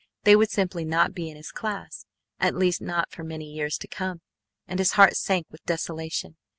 They would simply not be in his class, at least not for many years to come, and his heart sank with desolation.